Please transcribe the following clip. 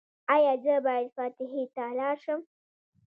ایا زه باید فاتحې ته لاړ شم؟